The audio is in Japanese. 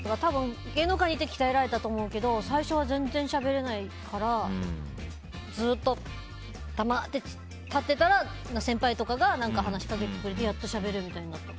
芸能界にいて鍛えられたと思うけど最初は全然しゃべれないからずっと、黙って立ってたら先輩とかが何か話しかけてくれてしゃべれるようになって。